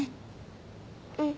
うん。